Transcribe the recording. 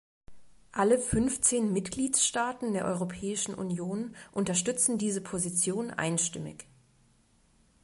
Alle fünfzehn Mitgliedstaaten der Europäischen Union unterstützen diese Position einstimmig.